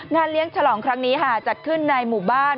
เลี้ยงฉลองครั้งนี้จัดขึ้นในหมู่บ้าน